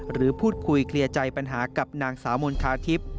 หรือพูดคุยเคลียร์ใจปัญหากับนางสาวมณฑาทิพย์